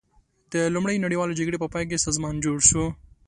د لومړۍ نړیوالې جګړې په پای کې سازمان جوړ شو.